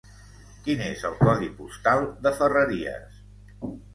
Quin és el codi postal de Ferreries?